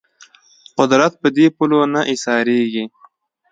قدرت په دې پولو نه ایسارېږي